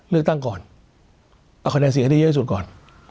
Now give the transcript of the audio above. เลือกตั้งก่อนเอาคะแนนเสียงให้ได้เยอะที่สุดก่อน